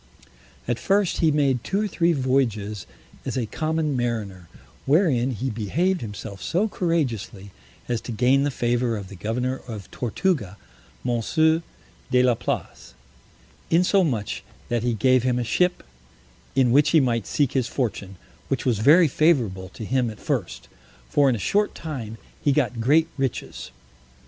At first he made two or three voyages as a common mariner, wherein he behaved himself so courageously as to gain the favor of the governor of Tortuga, Monsieur de la Place; insomuch that he gave him a ship, in which he might seek his fortune, which was very favorable to him at first; for in a short time he got great riches.